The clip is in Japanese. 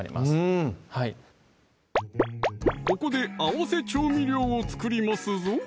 うんはいここで合わせ調味料を作りますぞ